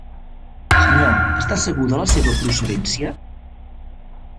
Senyor, està segur de la seva procedència?